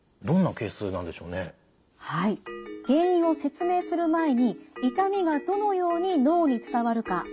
原因を説明する前に痛みがどのように脳に伝わるかお話しします。